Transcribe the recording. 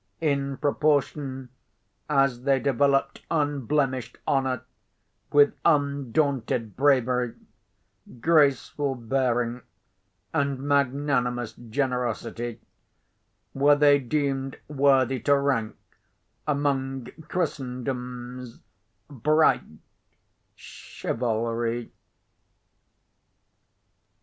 In proportion as they developed unblemished honour, with undaunted bravery, graceful bearing, and magnanimous generosity, were they deemed worthy to rank among Christendom's bright chivalry.